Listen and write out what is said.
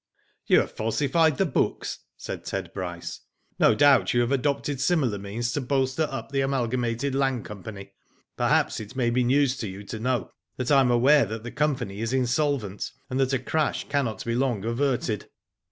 " You have falsified the books," said Ted Bryce, Digitized byGoogk 232 WHO DID ITf " No doubt you have adopted similar means to bolster up the Amalgamated Land Company. Perhaps it may be news to you to know that I am aware that the company is insolvent, and that a crash cannot long be averted.